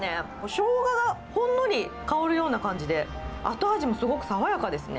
しょうががほんのり香るような感じで、後味もすごく爽やかですね。